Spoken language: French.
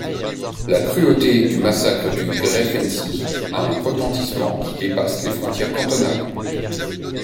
La cruauté du massacre du Greifensee a un retentissement qui dépasse les frontières cantonales.